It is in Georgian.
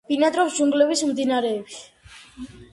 ბინადრობს ჯუნგლების მდინარეებში.